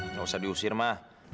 nggak usah diusir ma